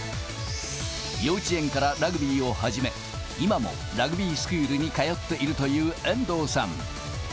幼稚園からラグビーを始め、今もラグビースクールに通っているという遠藤さん。